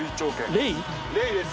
レイです。